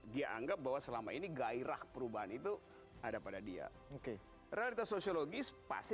dia anggap bahwa selama ini gairah perubahan itu ada pada dia oke realitas sosiologis pasti